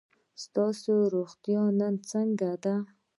ستاسو روغتیا نن څنګه ده؟